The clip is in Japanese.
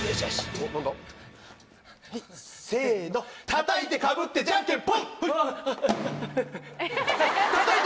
たたいてかぶってじゃんけんぽい！